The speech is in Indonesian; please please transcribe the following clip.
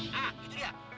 hah itu dia